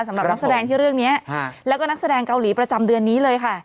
สำหรับนักแสดงที่เรื่องนี้แล้วก็นักแสดงเกาหลีประจำเดือนนี้เลยค่ะ